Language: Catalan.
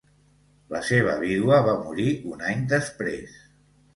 La seva vídua va morir un any després.